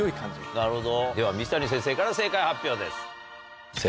なるほどでは水谷先生から正解発表です。